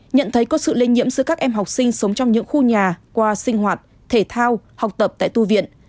nhận thấy có sự lây nhiễm giữa các em học sinh sống trong những khu nhà qua sinh hoạt thể thao học tập tại tu viện